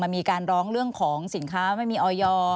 มีการร้องเรื่องของสินค้าไม่มีออยอร์